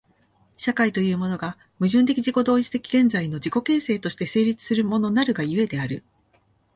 社会というものが、矛盾的自己同一的現在の自己形成として成立するものなるが故である。